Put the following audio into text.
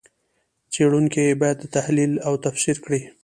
څېړونکي یې باید تحلیل او تفسیر کړي.